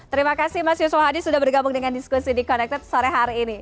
terima kasih mas yusuf hadi sudah bergabung dengan diskusi di connected sore hari ini